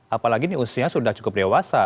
apalagi ini usianya sudah cukup dewasa